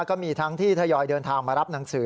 ก็มีทั้งที่ทยอยเดินทางมารับหนังสือ